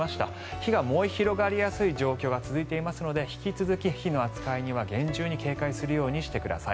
火が燃え広がりやすい状況が続いていますので引き続き火の扱いには厳重に警戒するようにしてください。